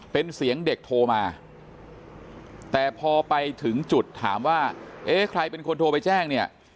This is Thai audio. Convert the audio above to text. เป็นเสียงเด็กโทรมาแต่พอไปถึงจุดถามว่าเอ๊ะใครเป็นคนโทรไปแจ้งเนี่ย